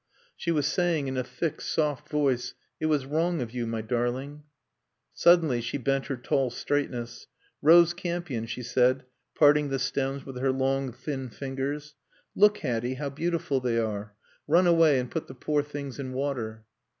She was saying in a thick, soft voice, "It was wrong of you, my darling." Suddenly she bent her tall straightness. "Rose campion," she said, parting the stems with her long, thin fingers. "Look, Hatty, how beautiful they are. Run away and put the poor things in water."